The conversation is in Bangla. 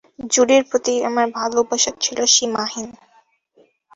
জুডির প্রতি আমার ভালবাসা ছিল সীমাহীন।